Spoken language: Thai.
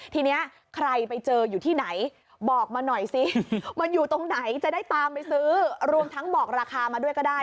ทีนี้ใครไปเจออยู่ที่ไหนบอกมาหน่อยสิมันอยู่ตรงไหนจะได้ตามไปซื้อรวมทั้งบอกราคามาด้วยก็ได้